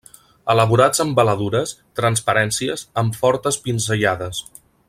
Elaborats amb veladures, transparències, amb fortes pinzellades.